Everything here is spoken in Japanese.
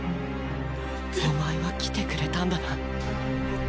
お前は来てくれたんだな